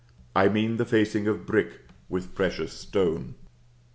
I mean the facing of brick with precious stone.